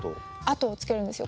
跡をつけるんですよ。